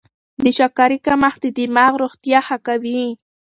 د شکرې کمښت د دماغ روغتیا ښه کوي.